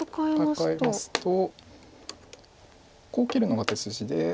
カカえますとこう切るのが手筋で。